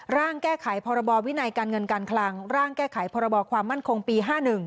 ร่างแก้ไขพรบวินัยการเงินการคลังร่างแก้ไขพรบความมั่นคงปี๕๑